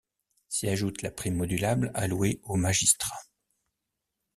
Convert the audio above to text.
S’y ajoute la prime modulable allouée aux magistrats.